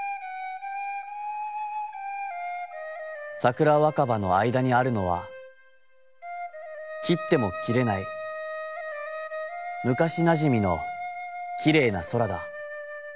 桜若葉の間に在るのは、切つても切れないむかしなじみのきれいな空だ。